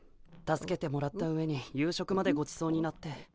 助けてもらったうえに夕食までごちそうになって。